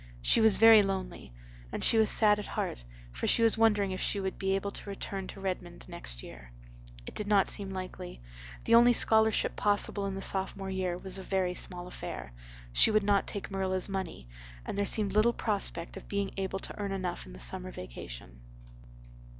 She was very lonely; and she was sad at heart; for she was wondering if she would be able to return to Redmond next year. It did not seem likely. The only scholarship possible in the Sophomore year was a very small affair. She would not take Marilla's money; and there seemed little prospect of being able to earn enough in the summer vacation.